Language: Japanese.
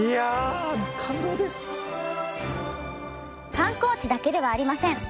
観光地だけではありません。